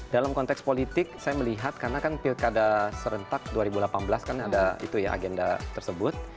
dalam konteks politik saya melihat karena kan pilkada serentak dua ribu delapan belas kan ada itu ya agenda tersebut